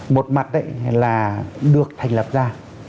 một mặt là được thành lập ra